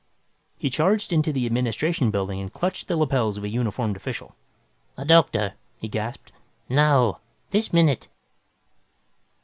He charged into the administration building and clutched the lapels of a uniformed official. "A doctor!" he gasped. "Now! This minute!"